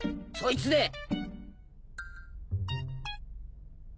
そいつで。